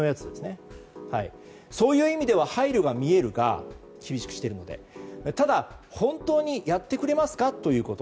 そういう意味では配慮が見えるがただ、本当にやってくれますかということ。